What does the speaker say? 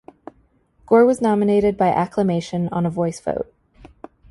Gore was nominated by acclamation on a voice vote.